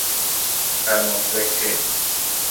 কার মতো দেখতে?